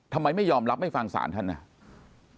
ทำไมไม่ยอมรับไม่ฟังสารท่านเนี่ย